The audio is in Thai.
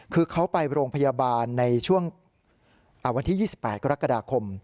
คือเขาไปโรงพยาบาลในช่วงวันที่๒๘กรกฎาคม